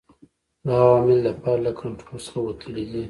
دا عوامل د فرد له کنټرول څخه وتلي دي.